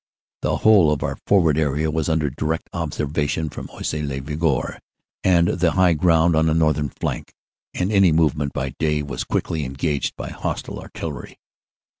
"The whole of our forward area was under direct observa tion from Oisy le Verger and the high ground on the northern flank, and any movement by day was quickly engaged by hostile artillery.